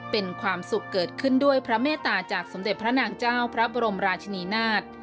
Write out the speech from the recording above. เป็นความสุขเกิดขึ้นด้วยพระเมตตาจากสมเด็จพระนางเจ้าพระบรมราชนีนาฏ